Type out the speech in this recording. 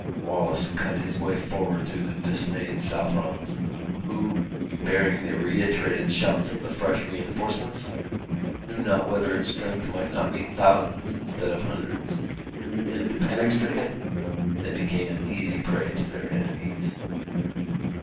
Wallace cut his way forward through the dismayed Southrons, who, bearing the reiterated shouts of the fresh reinforcements, knew not whether its strength might not be thousands instead of hundreds, and, panic stricken, they became an easy prey to their enemies.